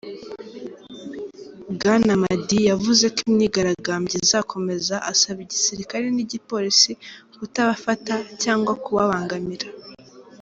Bwana Mahdi yavuze ko imyigaragambyo izokomeza asaba igisirikare n’igipolisi kutabafata cyangwa kubabangamira.